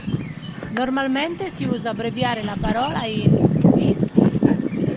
Normalmente si usa abbreviare la parola in "bt.